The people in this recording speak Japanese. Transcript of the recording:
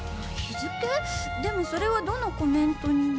でもそれはどのコメントにも。